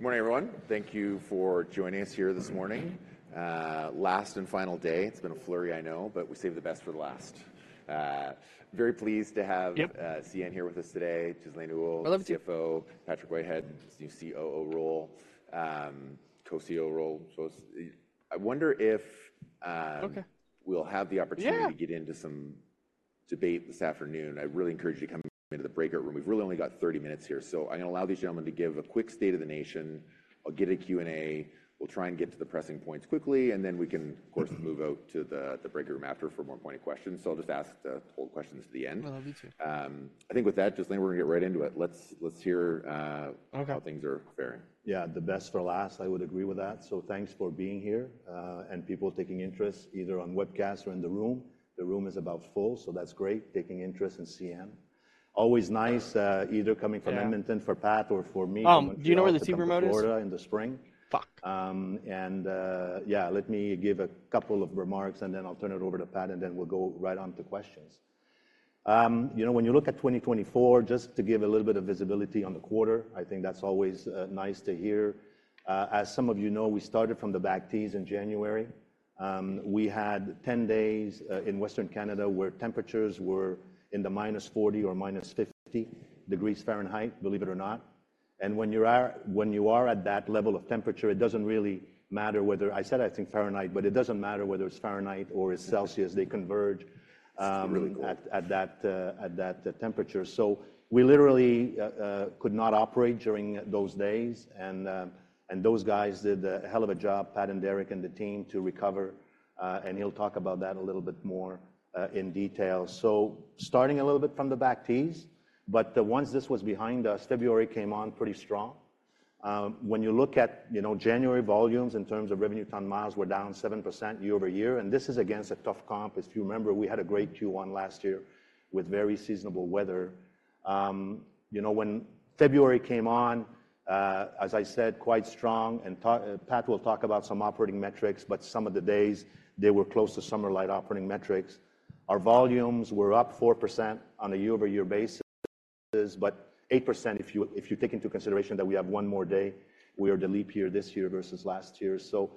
Good morning, everyone. Thank you for joining us here this morning. Last and final day. It's been a flurry, I know, but we saved the best for the last. Very pleased to have- Yep CN here with us today. Ghislain Houle, I love you. CFO, Patrick Whitehead, new COO role, co-COO role. So I wonder if, Okay We'll have the opportunity. Yeah To get into some debate this afternoon. I really encourage you to come into the breakout room. We've really only got 30 minutes here, so I'm gonna allow these gentlemen to give a quick state of the nation. I'll get a Q&A. We'll try and get to the pressing points quickly, and then we can, of course- Move out to the breakout room after for more pointed questions. So I'll just ask to hold questions to the end. Well, I'll be too. I think with that, Ghislain, we're gonna get right into it. Let's, let's hear, Okay how things are faring. Yeah, the best for last. I would agree with that. So thanks for being here, and people taking interest either on webcast or in the room. The room is about full, so that's great. Taking interest in CN. Always nice, either coming from - Yeah - Edmonton for Pat or for me - Do you know where the the remote is? - Florida in the spring. Fuck! And... Yeah, let me give a couple of remarks, and then I'll turn it over to Pat, and then we'll go right on to questions. You know, when you look at 2024, just to give a little bit of visibility on the quarter, I think that's always nice to hear. As some of you know, we started from the back tees in January. We had 10 days in Western Canada, where temperatures were -40 or -50 degrees Fahrenheit, believe it or not. When you are at that level of temperature, it doesn't really matter whetherI said, I think Fahrenheit, but it doesn't really matter whether it's Fahrenheit or it's Celsius. They converge- It's really cold. at that temperature. So we literally could not operate during those days, and those guys did a hell of a job, Pat and Derek and the team, to recover. And he'll talk about that a little bit more in detail. So starting a little bit from the back tees, but once this was behind us, February came on pretty strong. When you look at, you know, January volumes in terms of revenue ton miles, we're down 7% year-over-year, and this is against a tough comp. If you remember, we had a great Q1 last year with very seasonable weather. You know, when February came on, as I said, quite strong, and Pat will talk about some operating metrics, but some of the days they were close to summer-like operating metrics. Our volumes were up 4% on a year-over-year basis, but 8% if you, if you take into consideration that we have one more day. We are the leap year this year versus last year. So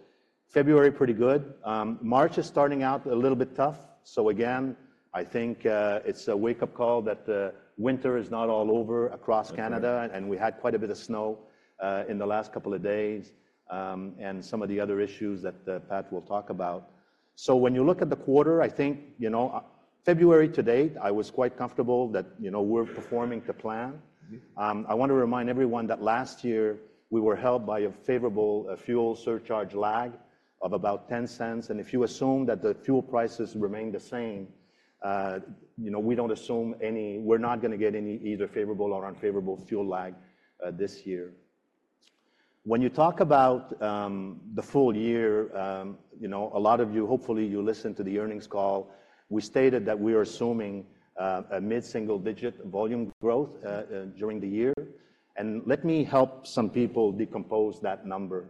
February, pretty good. March is starting out a little bit tough. So again, I think, it's a wake-up call that the winter is not all over across Canada, and we had quite a bit of snow in the last couple of days, and some of the other issues that Pat will talk about. So when you look at the quarter, I think, you know, February to date, I was quite comfortable that, you know, we're performing to plan. I want to remind everyone that last year, we were helped by a favorable fuel surcharge lag of about $0.10, and if you assume that the fuel prices remain the same, you know, we don't assume we're not going to get any either favorable or unfavorable fuel lag, this year. When you talk about the full year, you know, a lot of you, hopefully, you listened to the earnings call. We stated that we are assuming a mid-single-digit volume growth during the year, and let me help some people decompose that number.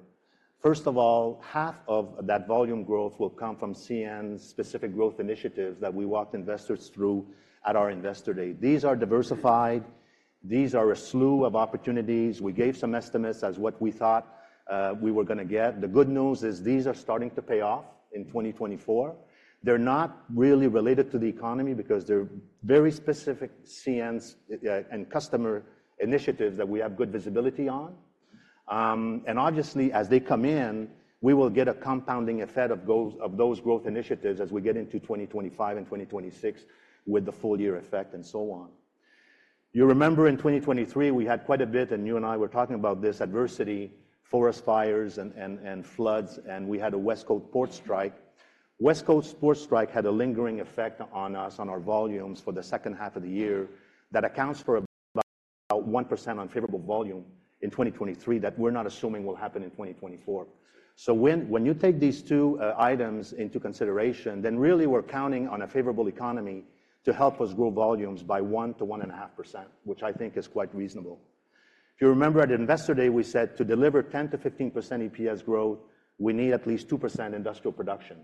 First of all, half of that volume growth will come from CN's specific growth initiatives that we walked investors through at our Investor Day. These are diversified. These are a slew of opportunities. We gave some estimates as what we thought we were gonna get. The good news is these are starting to pay off in 2024. They're not really related to the economy because they're very specific CN's and customer initiatives that we have good visibility on. And obviously, as they come in, we will get a compounding effect of those growth initiatives as we get into 2025 and 2026 with the full year effect and so on. You remember in 2023, we had quite a bit, and you and I were talking about this adversity, forest fires and floods, and we had a West Coast port strike. West Coast port strike had a lingering effect on our volumes for the second half of the year. That accounts for about 1% unfavorable volume in 2023 that we're not assuming will happen in 2024. So when you take these two items into consideration, then really we're counting on a favorable economy to help us grow volumes by 1-1.5%, which I think is quite reasonable. If you remember at Investor Day, we said to deliver 10%-15% EPS growth, we need at least 2% industrial production.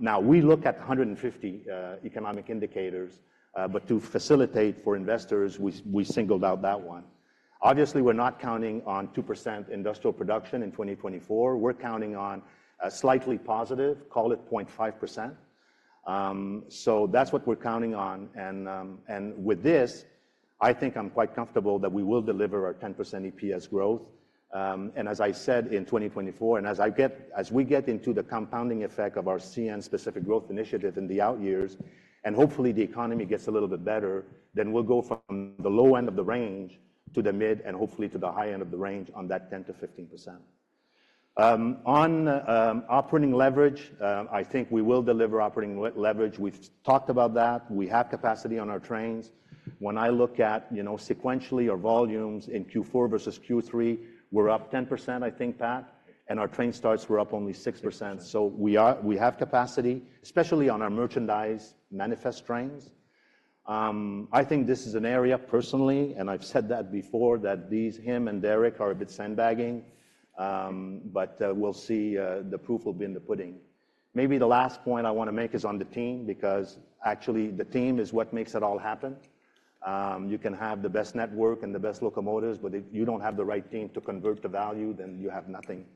Now we look at 150 economic indicators, but to facilitate for investors, we singled out that one. Obviously, we're not counting on 2% industrial production in 2024. We're counting on a slightly positive, call it 0.5%. So that's what we're counting on, and with this, I think I'm quite comfortable that we will deliver our 10% EPS growth. And as I said, in 2024, and as we get into the compounding effect of our CN-specific growth initiative in the out years, and hopefully the economy gets a little bit better, then we'll go from the low end of the range to the mid, and hopefully to the high end of the range on that 10%-15%. On operating leverage, I think we will deliver operating leverage. We've talked about that. We have capacity on our trains. When I look at, you know, sequentially, our volumes in Q4 versus Q3, we're up 10%, I think, Pat, and our train starts were up only 6%. So we are, we have capacity, especially on our merchandise manifest trains. I think this is an area personally, and I've said that before, that these, him and Derek are a bit sandbagging, but we'll see, the proof will be in the pudding. Maybe the last point I want to make is on the team, because actually the team is what makes it all happen. You can have the best network and the best locomotives, but if you don't have the right team to convert the value, then you have nothing.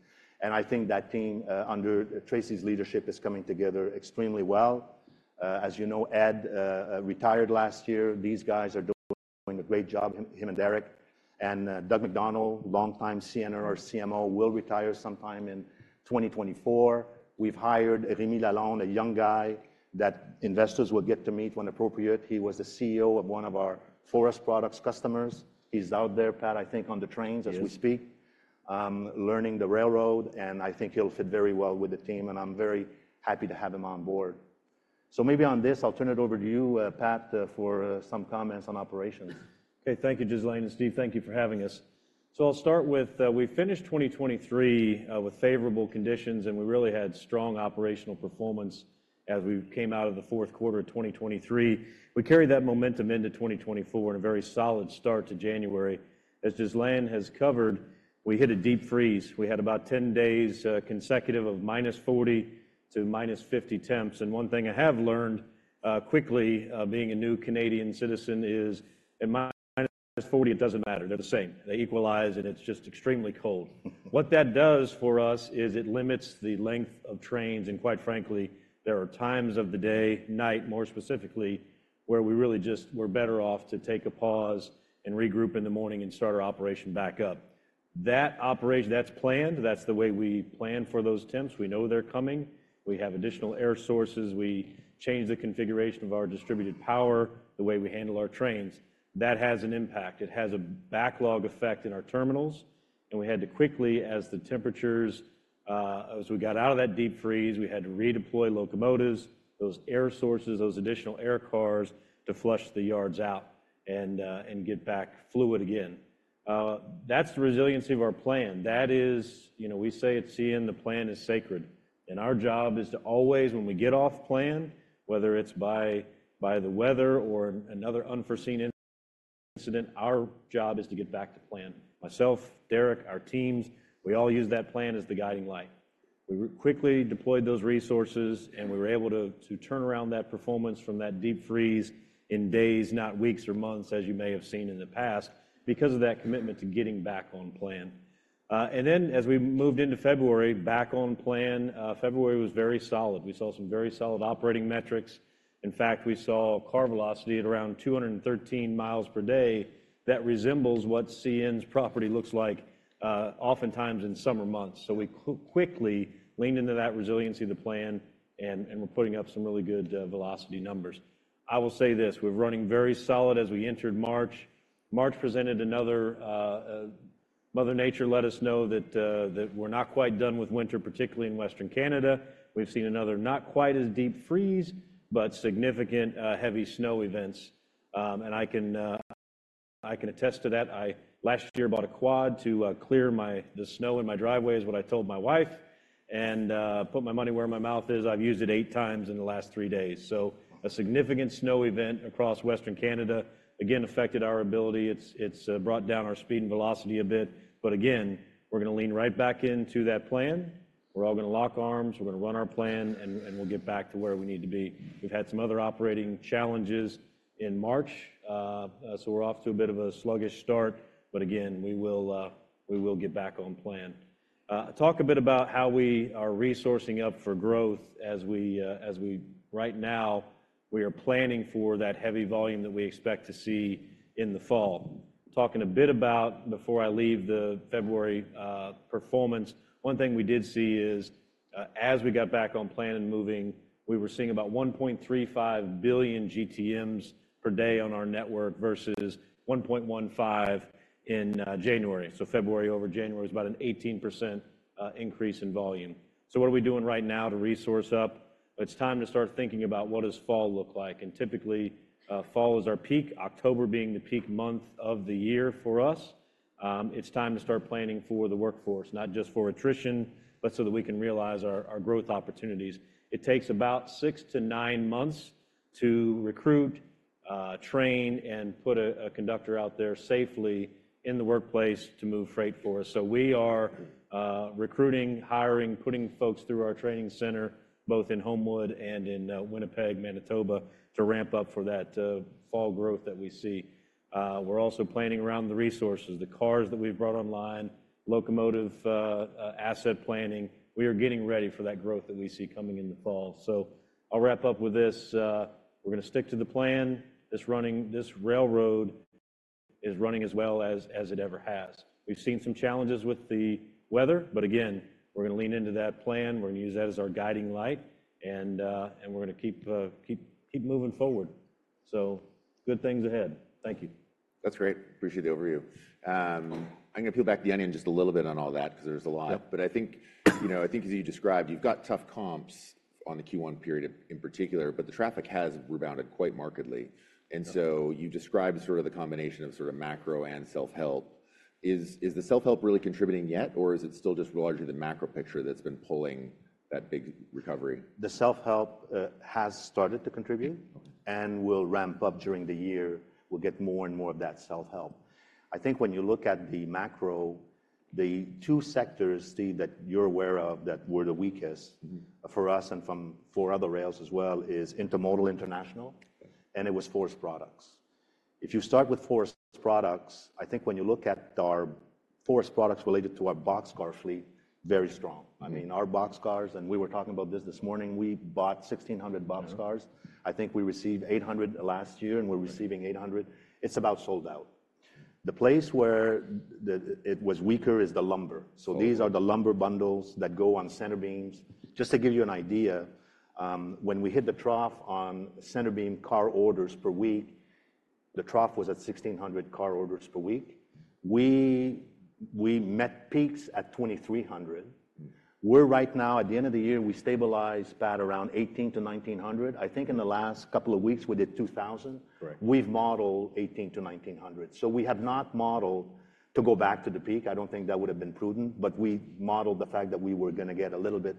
And I think that team, under Tracy's leadership, is coming together extremely well. As you know, Ed retired last year. These guys are doing a great job, him and Derek. And Doug MacDonald, longtime CNRR CMO, will retire sometime in 2024. We've hired Remi Lalonde, a young guy that investors will get to meet when appropriate. He was the CEO of one of our forest products customers. He's out there, Pat, I think, on the trains as we speak- Yes learning the railroad, and I think he'll fit very well with the team, and I'm very happy to have him on board. So maybe on this, I'll turn it over to you, Pat, for some comments on operations. Okay, thank you, Ghislain and Steve. Thank you for having us. So I'll start with, we finished 2023 with favorable conditions, and we really had strong operational performance as we came out of the fourth quarter of 2023. We carried that momentum into 2024 and a very solid start to January. As Ghislain has covered, we hit a deep freeze. We had about 10 days consecutive of -40 to -50 temps. And one thing I have learned quickly, being a new Canadian citizen is, in -40, it doesn't matter. They're the same. They equalize, and it's just extremely cold. What that does for us is it limits the length of trains, and quite frankly, there are times of the day, night, more specifically, where we really just-- we're better off to take a pause and regroup in the morning and start our operation back up. That operation, that's planned. That's the way we plan for those temps. We know they're coming. We have additional air sources. We change the configuration of our Distributed Power, the way we handle our trains. That has an impact. It has a backlog effect in our terminals, and we had to quickly, as the temperatures, as we got out of that deep freeze, we had to redeploy locomotives, those air sources, those additional air cars, to flush the yards out and, and get back fluid again. That's the resiliency of our plan. That is, you know, we say at CN, the plan is sacred, and our job is to always, when we get off plan, whether it's by the weather or another unforeseen incident, our job is to get back to plan. Myself, Derek, our teams, we all use that plan as the guiding light. We quickly deployed those resources, and we were able to turn around that performance from that deep freeze in days, not weeks or months, as you may have seen in the past, because of that commitment to getting back on plan. And then as we moved into February, back on plan, February was very solid. We saw some very solid operating metrics. In fact, we saw car velocity at around 213 miles per day. That resembles what CN's property looks like, oftentimes in summer months. So we quickly leaned into that resiliency of the plan, and we're putting up some really good velocity numbers. I will say this: we're running very solid as we entered March. March presented another Mother Nature let us know that we're not quite done with winter, particularly in Western Canada. We've seen another not quite as deep freeze, but significant heavy snow events. And I can attest to that. Last year, I bought a quad to clear my the snow in my driveway, is what I told my wife, and put my money where my mouth is. I've used it eight times in the last three days. So a significant snow event across Western Canada, again, affected our ability. It's brought down our speed and velocity a bit, but again, we're gonna lean right back into that plan. We're all gonna lock arms, we're gonna run our plan, and we'll get back to where we need to be. We've had some other operating challenges in March, so we're off to a bit of a sluggish start, but again, we will get back on plan. Talk a bit about how we are resourcing up for growth as we right now, we are planning for that heavy volume that we expect to see in the fall. Talking a bit about, before I leave the February performance, one thing we did see is, as we got back on plan and moving, we were seeing about 1.35 billion GTMs per day on our network versus 1.15 in January. So February over January is about an 18% increase in volume. So what are we doing right now to resource up? It's time to start thinking about what does fall look like, and typically, fall is our peak, October being the peak month of the year for us. It's time to start planning for the workforce, not just for attrition, but so that we can realize our growth opportunities. It takes about 6-9 months to recruit, train, and put a conductor out there safely in the workplace to move freight for us. So we are recruiting, hiring, putting folks through our training center, both in Homewood and in Winnipeg, Manitoba, to ramp up for that fall growth that we see. We're also planning around the resources, the cars that we've brought online, locomotive asset planning. We are getting ready for that growth that we see coming in the fall. So I'll wrap up with this. We're gonna stick to the plan. This railroad is running as well as it ever has. We've seen some challenges with the weather, but again, we're gonna lean into that plan. We're gonna use that as our guiding light, and we're gonna keep moving forward. So good things ahead. Thank you. That's great. Appreciate the overview. I'm gonna peel back the onion just a little bit on all that, because there's a lot. Yep. But I think, you know, I think as you described, you've got tough comps on the Q1 period in particular, but the traffic has rebounded quite markedly. Yep. And so you described sort of the combination of sort of macro and self-help. Is the self-help really contributing yet, or is it still just largely the macro picture that's been pulling that big recovery? The self-help has started to contribute- Okay And will ramp up during the year. We'll get more and more of that self-help. I think when you look at the macro- The two sectors, Steve, that you're aware of that were the weakest for us, and from four other rails as well, is intermodal international, and it was forest products. If you start with forest products, I think when you look at our forest products related to our boxcar fleet, very strong.I mean, our boxcars, and we were talking about this this morning, we bought 1,600 boxcars. Yeah. I think we received 800 last year, and we're receiving 800. It's about sold out. The place where it was weaker is the lumber. Oh. So these are the lumber bundles that go on centerbeams. Just to give you an idea, when we hit the trough on centerbeam car orders per week, the trough was at 1,600 car orders per week. We met peaks at 2,300. We're right now, at the end of the year, we stabilize about around 1,800-1,900. I think in the last couple of weeks we did 2,000. Correct. We've modeled 1,800-1,900. So we have not modeled to go back to the peak. I don't think that would have been prudent, but we modeled the fact that we were going to get a little bit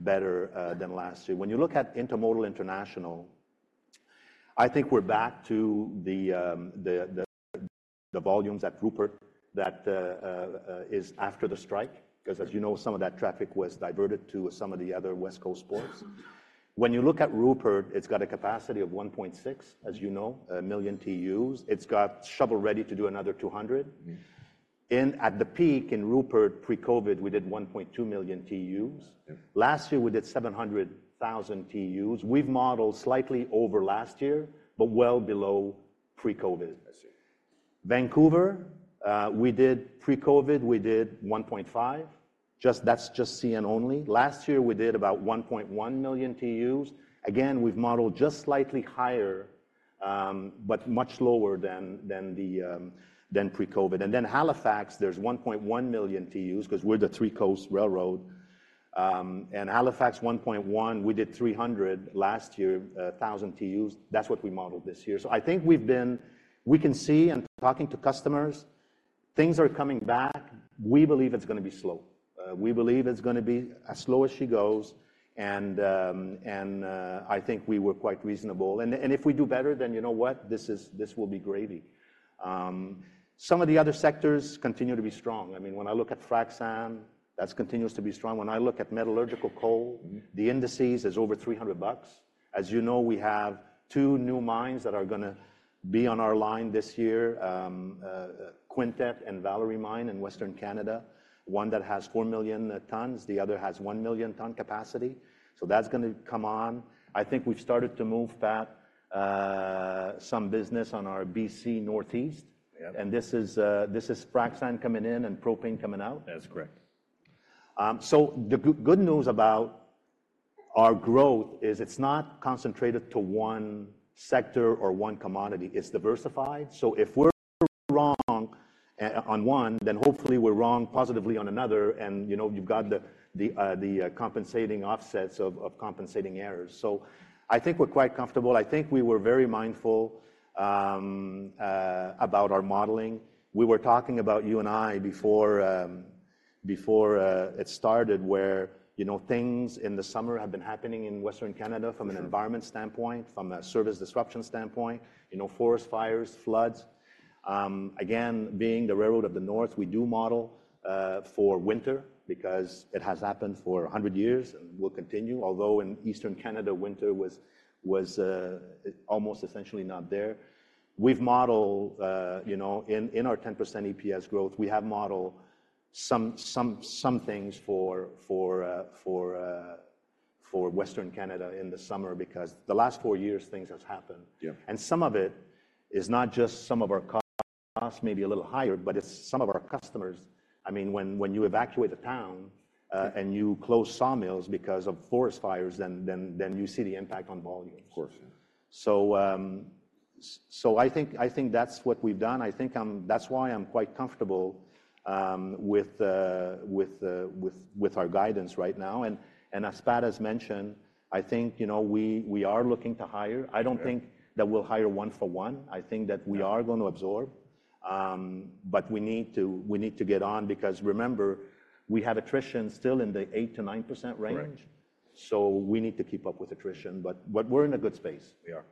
better than last year. When you look at intermodal international, I think we're back to the volumes at Rupert that is after the strike. Mm-hmm. Beause as you know, some of that traffic was diverted to some of the other West Coast ports. When you look at Rupert, it's got a capacity of 1.6 million TEUs, as you know. It's got shovel ready to do another 200. In at the peak in Rupert pre-COVID, we did 1.2 million TEUs. Last year, we did 700,000 TEUs. We've modeled slightly over last year, but well below pre-COVID. I see. Vancouver, we did pre-COVID, we did 1.5. That's just CN only. Last year, we did about 1.1 million TEUs. Again, we've modeled just slightly higher, but much lower than pre-COVID. And then Halifax, there's 1.1 million TEUs, because we're the three-coast railroad. And Halifax, 1.1, we did 300,000 last year TEUs. That's what we modeled this year. So I think we've been-- we can see, and talking to customers, things are coming back. We believe it's gonna be slow. We believe it's gonna be as slow as she goes, and I think we were quite reasonable. And if we do better, then you know what? This is-- this will be gravy. Some of the other sectors continue to be strong. I mean, when I look at frac sand, that continues to be strong. When I look at metallurgical coal- Mm. The indices is over $300. As you know, we have two new mines that are going to be on our line this year, Quintette and Willow Creek Mine in Western Canada. One that has 4 million tons, the other has 1 million ton capacity. So that's going to come on. I think we've started to move back some business on our BC Northeast. Yeah. This is frac sand coming in and propane coming out. That's correct. So the good news about our growth is it's not concentrated to one sector or one commodity; it's diversified. So if we're wrong on one, then hopefully we're wrong positively on another, and, you know, you've got the compensating offsets of compensating errors. So I think we're quite comfortable. I think we were very mindful about our modeling. We were talking about, you and I, before it started, where, you know, things in the summer have been happening in Western Canada- Sure... from an environment standpoint, from a service disruption standpoint, you know, forest fires, floods. Again, being the railroad of the North, we do model for winter because it has happened for 100 years and will continue, although in Eastern Canada, winter was almost essentially not there. We've modeled, you know, in our 10% EPS growth, we have modeled some things for Western Canada in the summer, because the last four years, things has happened. Yeah. Some of it is not just some of our costs, maybe a little higher, but it's some of our customers. I mean, when you evacuate a town and you close sawmills because of forest fires, then you see the impact on volume. Of course. So, I think, I think that's what we've done. I think I'm, that's why I'm quite comfortable with our guidance right now. And as Pat has mentioned, I think, you know, we are looking to hire. Sure. I don't think that we'll hire one for one. Yeah. I think that we are gonna absorb, but we need to get on because, remember, we have attrition still in the 8%-9% range. Right. So we need to keep up with attrition, but we're in a good space. We are.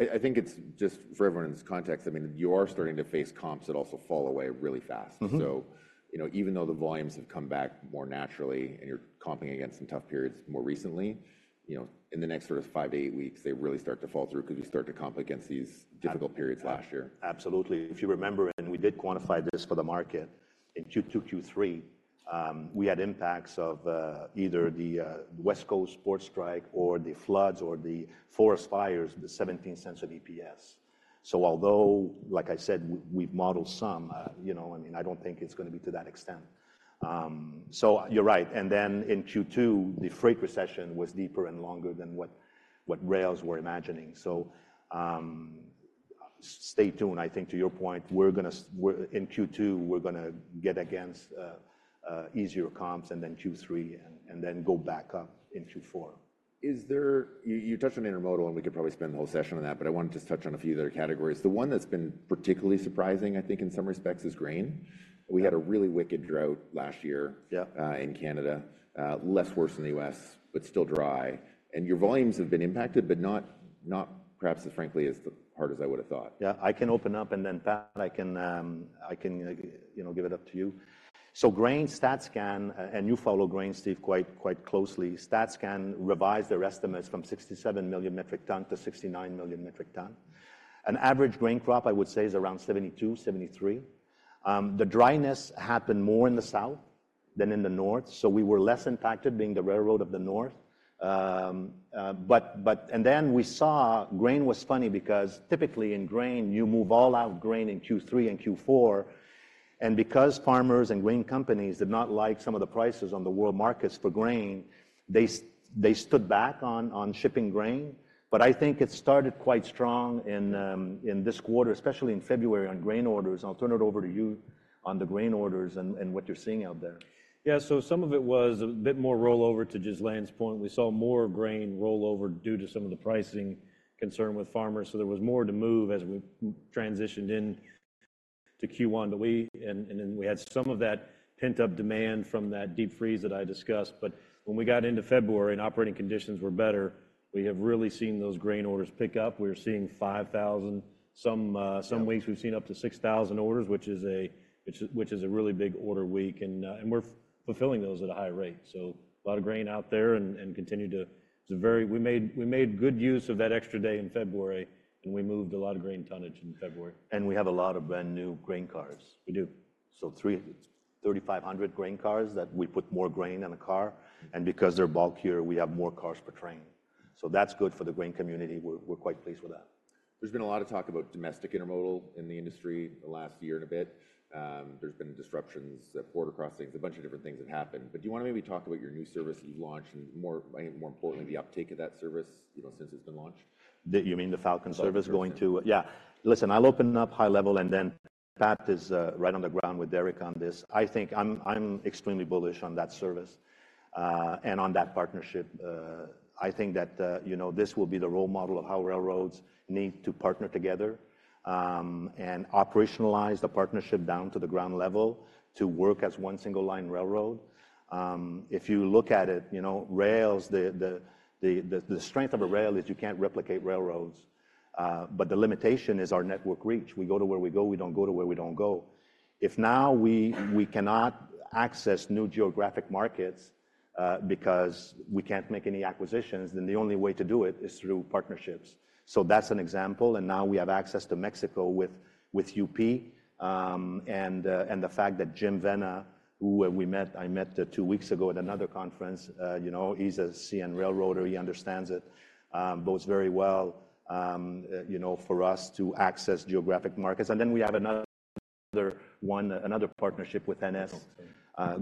I, I think it's just for everyone in this context, I mean, you are starting to face comps that also fall away really fast. Mm-hmm. So, you know, even though the volumes have come back more naturally and you're comping against some tough periods more recently, you know, in the next sort of five to eight weeks, they really start to fall through because you start to comp against these difficult periods last year. Absolutely. If you remember, and we did quantify this for the market, in Q2, Q3, we had impacts of either the West Coast port strike or the floods or the forest fires, the $0.17 of EPS. So although, like I said, we've modeled some, you know, I mean, I don't think it's going to be to that extent. So you're right. And then in Q2, the freight recession was deeper and longer than what rails were imagining. So stay tuned. I think to your point, we're going to see, in Q2, we're gonna get against easier comps and then Q3 and then go back up in Q4. You touched on intermodal, and we could probably spend the whole session on that, but I want to just touch on a few other categories. The one that's been particularly surprising, I think, in some respects, is grain. Mm-hmm. We had a really wicked drought last year- Yeah... in Canada. Less worse than the US, but still dry. Your volumes have been impacted, but not as hard as I would have thought. Yeah. I can open up, and then, Pat, I can, you know, give it up to you. So grain StatCan, and you follow grain, Steve, quite closely. StatCan revised their estimates from 67 million metric ton to 69 million metric ton. An average grain crop, I would say, is around 72, 73. The dryness happened more in the south than in the north, so we were less impacted being the railroad of the north. We saw grain was funny because typically in grain, you move all out grain in Q3 and Q4, and because farmers and grain companies did not like some of the prices on the world markets for grain, they stood back on shipping grain. But I think it started quite strong in this quarter, especially in February, on grain orders. I'll turn it over to you on the grain orders and what you're seeing out there. Yeah. So some of it was a bit more rollover to just Lance point. We saw more grain rollover due to some of the pricing concern with farmers, so there was more to move as we transitioned into Q1. But then we had some of that pent-up demand from that deep freeze that I discussed. But when we got into February and operating conditions were better, we have really seen those grain orders pick up. We are seeing 5,000, some- Yeah... some weeks we've seen up to 6,000 orders, which is a really big order week. And we're fulfilling those at a high rate. So a lot of grain out there and continue. It's a very. We made good use of that extra day in February, and we moved a lot of grain tonnage in February. We have a lot of brand-new grain cars. We do. So 3,350 grain cars that we put more grain in a car, and because they're bulkier, we have more cars per train. So that's good for the grain community. We're, we're quite pleased with that. There's been a lot of talk about domestic intermodal in the industry the last year and a bit. There's been disruptions at port crossings, a bunch of different things have happened. But do you want to maybe talk about your new service that you've launched, and more, maybe more importantly, the uptake of that service, you know, since it's been launched? You mean the Falcon service- Falcon service... going to. Yeah. Listen, I'll open it up high level, and then Pat is right on the ground with Derek on this. I think I'm extremely bullish on that service, and on that partnership. I think that, you know, this will be the role model of how railroads need to partner together, and operationalize the partnership down to the ground level to work as one single-line railroad. If you look at it, you know, rails, the strength of a rail is you can't replicate railroads, but the limitation is our network reach. We go to where we go. We don't go to where we don't go. If now we cannot access new geographic markets, because we can't make any acquisitions, then the only way to do it is through partnerships. So that's an example, and now we have access to Mexico with UP. And the fact that Jim Vena, who I met two weeks ago at another conference, you know, he's a CN railroader. He understands it, bodes very well, you know, for us to access geographic markets. And then we have another one, another partnership with NS- Yeah ...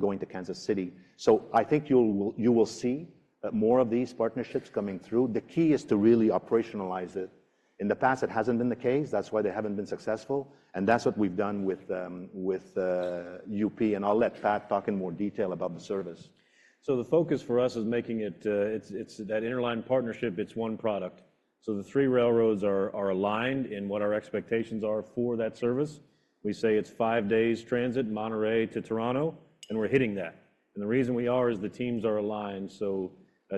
going to Kansas City. So I think you will see more of these partnerships coming through. The key is to really operationalize it. In the past, it hasn't been the case. That's why they haven't been successful, and that's what we've done with UP. And I'll let Pat talk in more detail about the service. So the focus for us is making it. It's that interline partnership, it's one product. So the three railroads are aligned in what our expectations are for that service. We say it's five days transit, Monterrey to Toronto, and we're hitting that. And the reason we are is the teams are aligned. So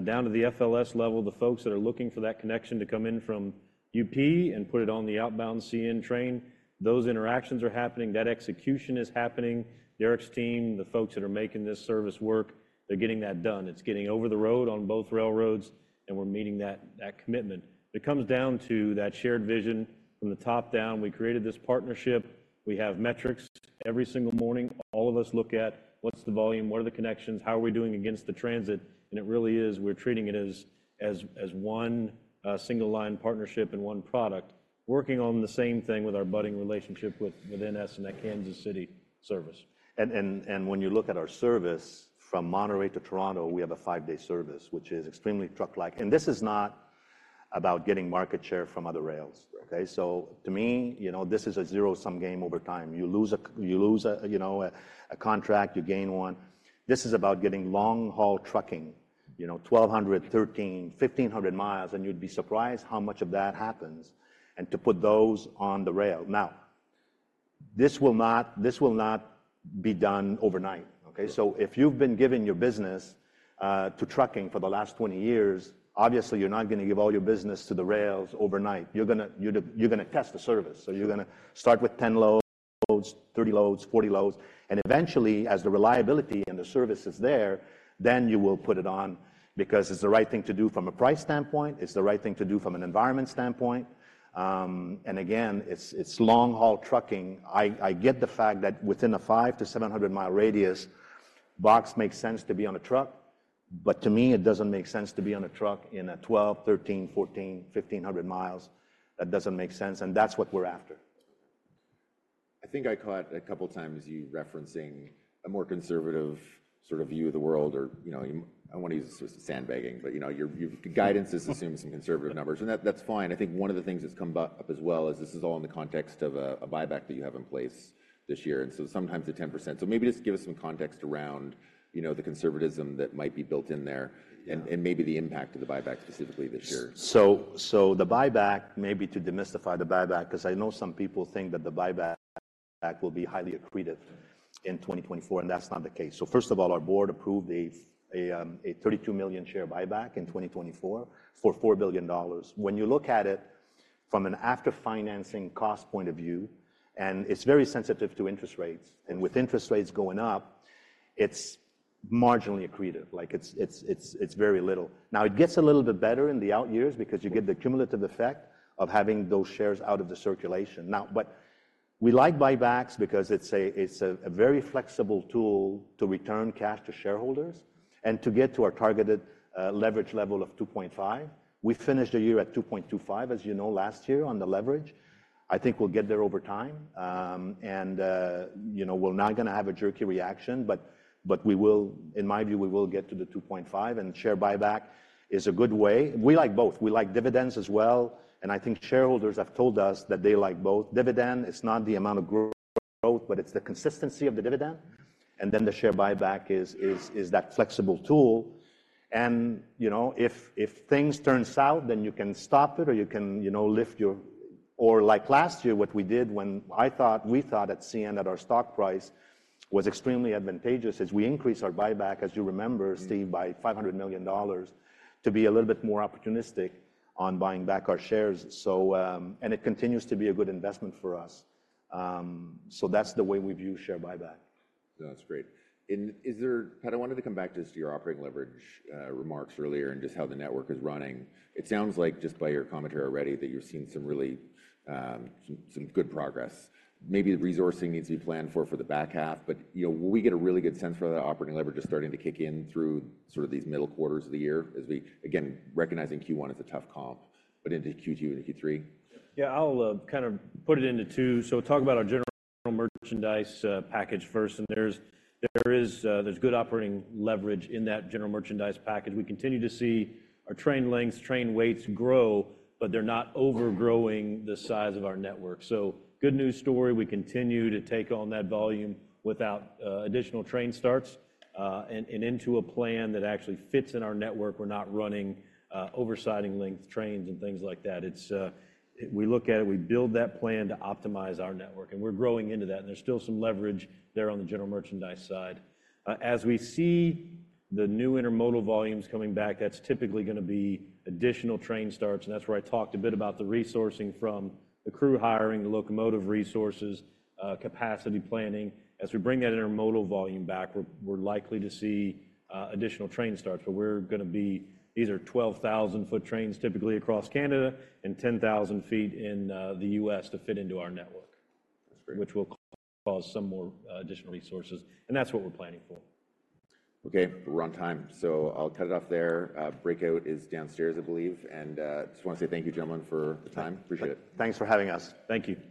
down to the FLS level, the folks that are looking for that connection to come in from UP and put it on the outbound CN train, those interactions are happening. That execution is happening. Derek's team, the folks that are making this service work, they're getting that done. It's getting over the road on both railroads, and we're meeting that commitment. It comes down to that shared vision from the top down. We created this partnership. We have metrics. Every single morning, all of us look at what's the volume, what are the connections, how are we doing against the transit? And it really is, we're treating it as one single line partnership and one product, working on the same thing with our budding relationship with NS and that Kansas City service. And when you look at our service from Monterrey to Toronto, we have a five-day service, which is extremely truck-like. And this is not about getting market share from other rails, okay? Right. So to me, you know, this is a zero-sum game over time. You lose a, you know, a contract, you gain one. This is about getting long-haul trucking, you know, 1,200, 1,300, 1,500 miles, and you'd be surprised how much of that happens, and to put those on the rail. Now, this will not, this will not be done overnight, okay? Yeah. So if you've been giving your business to trucking for the last 20 years, obviously, you're not gonna give all your business to the rails overnight. You're gonna test the service. Sure. So you're gonna start with 10 loads, 30 loads, 40 loads, and eventually, as the reliability and the service is there, then you will put it on because it's the right thing to do from a price standpoint, it's the right thing to do from an environment standpoint. And again, it's, it's long-haul trucking. I, I get the fact that within a 500-700-mile radius, box makes sense to be on a truck, but to me, it doesn't make sense to be on a truck in a 1,200, 1,300, 1,400, 1,500 miles. That doesn't make sense, and that's what we're after. I think I caught a couple of times you referencing a more conservative sort of view of the world or, you know, you—I don't wanna use the word sandbagging, but, you know, your guidance is assuming some conservative numbers, and that's fine. I think one of the things that's come up as well is this is all in the context of a buyback that you have in place this year, and so sometimes the 10%. So maybe just give us some context around, you know, the conservatism that might be built in there- Yeah... and maybe the impact of the buyback specifically this year. So the buyback, maybe to demystify the buyback, because I know some people think that the buyback will be highly accretive in 2024, and that's not the case. First of all, our board approved a 32 million share buyback in 2024 for $4 billion. When you look at it from an after-financing cost point of view, and it's very sensitive to interest rates, and with interest rates going up, it's marginally accretive. Like it's very little. Now, it gets a little bit better in the out years because you get the cumulative effect of having those shares out of the circulation. Now, but we like buybacks because it's a very flexible tool to return cash to shareholders and to get to our targeted leverage level of 2.5. We finished the year at 2.25, as you know, last year on the leverage. I think we'll get there over time, and, you know, we're not gonna have a jerky reaction, but, but we will, in my view, we will get to the 2.5, and share buyback is a good way. We like both. We like dividends as well, and I think shareholders have told us that they like both. Dividend is not the amount of growth, but it's the consistency of the dividend, and then the share buyback is, is, is that flexible tool. And, you know, if, if things turns south, then you can stop it or you can, you know, lift your Or like last year, what we did when I thought—we thought at CN that our stock price was extremely advantageous, is we increased our buyback, as you remember, Steve, by $500 million to be a little bit more opportunistic on buying back our shares. So, and it continues to be a good investment for us. So that's the way we view share buyback. That's great. Pat, I wanted to come back just to your operating leverage remarks earlier and just how the network is running. It sounds like just by your commentary already, that you're seeing some really good progress. Maybe the resourcing needs to be planned for the back half, but, you know, will we get a really good sense for that operating leverage is starting to kick in through sort of these middle quarters of the year as we again, recognizing Q1 is a tough comp, but into Q2 and Q3? Yeah, I'll kind of put it into two. So talk about our general merchandise package first, and there's good operating leverage in that general merchandise package. We continue to see our train lengths, train weights grow, but they're not overgrowing the size of our network. So good news story, we continue to take on that volume without additional train starts and into a plan that actually fits in our network. We're not running oversized length trains and things like that. It's we look at it, we build that plan to optimize our network, and we're growing into that, and there's still some leverage there on the general merchandise side. As we see the new intermodal volumes coming back, that's typically gonna be additional train starts, and that's where I talked a bit about the resourcing from the crew hiring, the locomotive resources, capacity planning. As we bring that intermodal volume back, we're likely to see additional train starts. But we're gonna be—these are 12,000-foot trains, typically across Canada and 10,000 feet in the US to fit into our network- That's great. -which will cause some more, additional resources, and that's what we're planning for. Okay, we're on time, so I'll cut it off there. Breakout is downstairs, I believe, and just wanna say thank you, gentlemen, for the time. Appreciate it. Thanks for having us. Thank you.